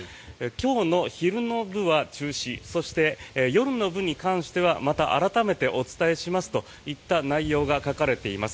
今日の昼の部は中止そして夜の部に関してはまた改めてお伝えしますといった内容が書かれています。